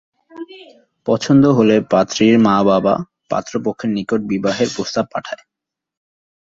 পছন্দ হলে পাত্রীর মা-বাবা পাত্রপক্ষের নিকট বিবাহের প্রস্তাব পাঠায়।